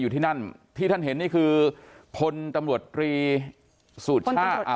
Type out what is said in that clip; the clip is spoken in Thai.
อยู่ที่นั่นที่ท่านเห็นนี่คือพลตำรวจตรีสุชาติอ่า